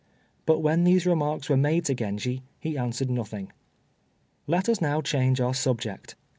But when these remarks were made to Genji, he answered nothing. Let us now change our subject.